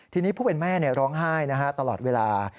ทีนี้ผู้เป็นแม่ร้องไห้ตลอดเวลา